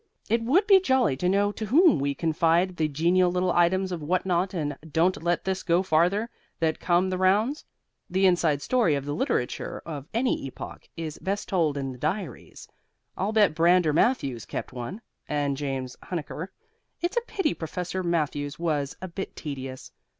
It would be jolly to know to whom we might confide the genial little items of what not and don't let this go farther that come the rounds. The inside story of the literature of any epoch is best told in the diaries. I'll bet Brander Matthews kept one, and James Huneker. It's a pity Professor Matthews's was a bit tedious.